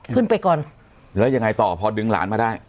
ขึ้นไปก่อนแล้วยังไงต่อพอดึงหลานมาได้